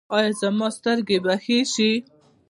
ایا زما سترګې به ښې شي؟